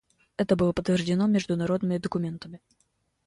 Это было подтверждено международными документами.